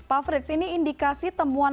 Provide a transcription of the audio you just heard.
pak frits ini indikasi temuan